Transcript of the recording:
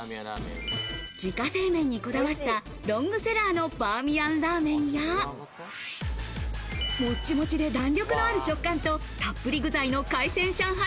自家製麺にこだわったロングセラーのバーミヤンラーメンや、もちもちで弾力のある食感と、たっぷり具材の海鮮上海